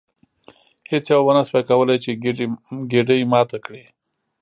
هیڅ یوه ونشوای کولی چې ګېډۍ ماته کړي.